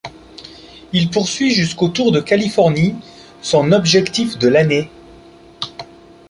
Il poursuit jusqu'au Tour de Californie, son objectif de l'année.